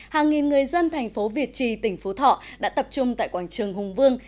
hàng nghìn người dân thành phố việt trì tỉnh phú thọ đã tập trung tại quảng trường hùng vương